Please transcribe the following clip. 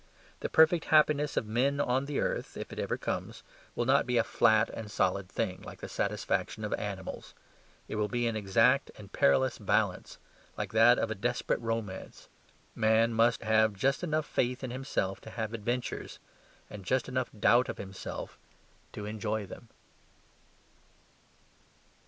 The perfect happiness of men on the earth (if it ever comes) will not be a flat and solid thing, like the satisfaction of animals. It will be an exact and perilous balance; like that of a desperate romance. Man must have just enough faith in himself to have adventures, and just enough doubt of himself to enjoy them.